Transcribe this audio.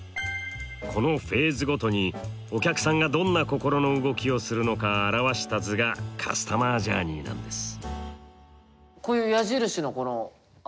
このフェーズごとにお客さんがどんな心の動きをするのか表した図がカスタマージャーニーなんです。